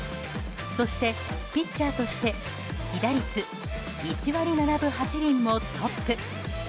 そして、ピッチャーとして被打率１割７分８厘もトップ。